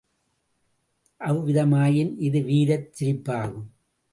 அவ்விதமாயின் இது வீரச் சிரிப்பாகும்.